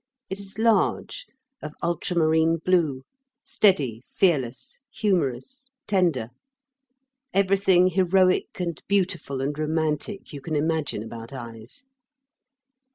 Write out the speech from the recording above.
It is large, of ultra marine blue, steady, fearless, humorous, tender everything heroic and beautiful and romantic you can imagine about eyes.